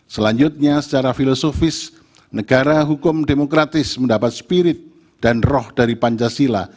selanjutnya secara filosofis negara hukum demokratis mendapat spirit dan roh dari pancasila